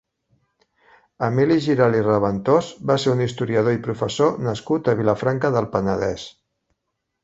Emili Giralt i Raventós va ser un historiador i professor nascut a Vilafranca del Penedès.